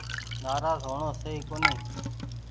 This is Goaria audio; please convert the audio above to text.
نآراز هو ڻو سئي ڪونيٚ ۔